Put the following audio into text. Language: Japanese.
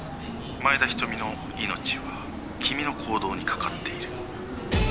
前田瞳の命は君の行動に懸かっている。